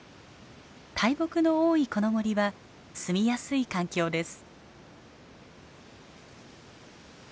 大木の多いこの森は住みやすい環境です。